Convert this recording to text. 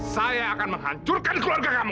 saya akan menghancurkan keluarga kamu